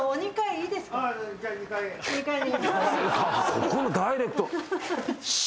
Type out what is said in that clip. こんなダイレクト。